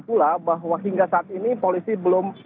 pula bahwa hingga saat ini polisi belum